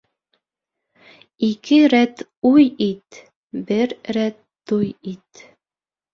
Ике рәт уй ит, бер рәт туй ит.